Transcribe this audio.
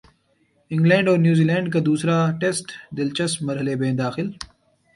England اور New Zealand کا دوسرا ٹیسٹ دلچسپ مرحلے میں داخل